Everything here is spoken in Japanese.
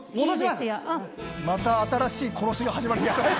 また新しい殺しが始まりましたね。